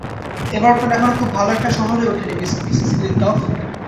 Everton এখনো খুব ভালো একটা শহর হয়ে উঠেনি, মিসেস ক্লিনটফ।